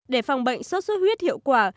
để phòng bệnh sốt xuất huyết hiệu quả